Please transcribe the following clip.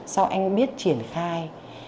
sau anh biết triển khai